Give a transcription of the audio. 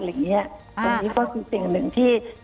ตรงนี้ก็คือสิ่งหนึ่งที่